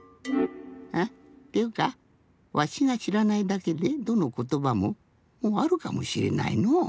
あっっていうかわしがしらないだけでどのことばももうあるかもしれないのう。